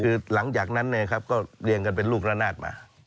คือหลังจากนั้นก็เรียงกันเป็นลูกละนาดมา